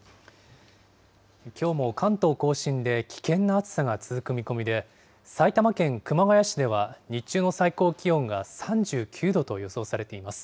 きょうも関東甲信で危険な暑さが続く見込みで、埼玉県熊谷市では日中の最高気温が３９度と予想されています。